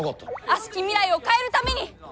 悪しき未来を変えるために！